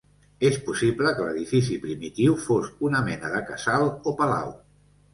És possible que l'edifici primitiu fos una mena de casal o palau.